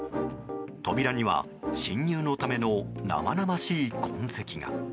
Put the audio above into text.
扉には侵入のための生々しい痕跡が。